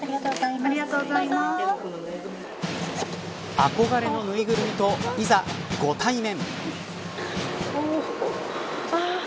憧れのぬいぐるみといざ、ご対面。